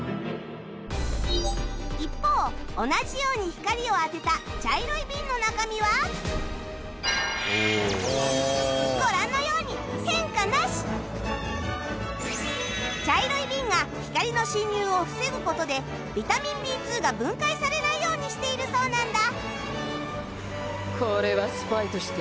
一方同じように光を当てたご覧のように茶色いビンが光の侵入を防ぐ事でビタミン Ｂ２ が分解されないようにしているそうなんだ